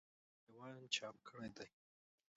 حمدالله د حنان بارکزي دېوان څاپ کړی دﺉ.